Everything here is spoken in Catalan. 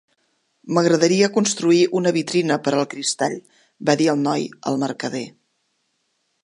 "M'agradaria construir una vitrina per al cristall", va dir el noi al mercader.